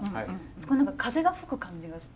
そこに何か風が吹く感じがする。